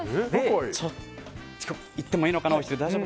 言ってもいいのかな。